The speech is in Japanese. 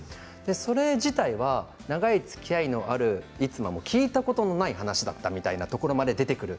それ自体は長いつきあいのある逸馬も聞いたことのない話だったというところまで出てくる。